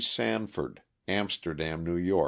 Sanford, Amsterdam, K Y.